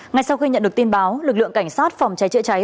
ngay sau khi nhận được tin báo lực lượng cảnh sát phòng cháy chữa cháy